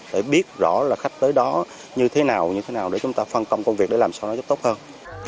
để biết rõ là khách tới đó như thế nào để chúng ta phân công công việc để làm sao nó tốt hơn